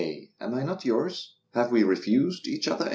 Am I not yours? Have we refused each other Anything?